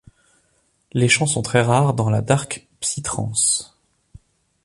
Les chants sont très rares dans la dark psytrance.